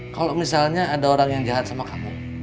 kalau misalnya ada orang yang jahat sama kamu